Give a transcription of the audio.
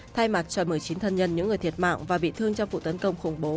thay mặt cho một mươi chín thân nhân những người thiệt mạng và bị thương trong vụ tấn công khủng bố